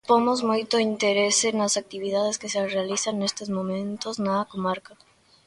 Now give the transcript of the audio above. Pomos moito interese nas actividades que se realizan nestes momentos na comarca.